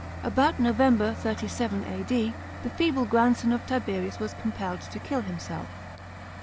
About November, 37 A.D., the feeble grandson of Tiberius was compelled to kill himself.